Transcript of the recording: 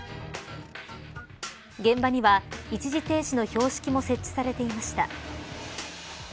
現場には、一時停止の標識も設置されていました。